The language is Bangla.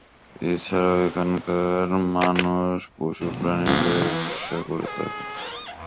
এছাড়াও এখানকার মানুষ পশু-প্রাণীর ব্যবসা করে থাকেন।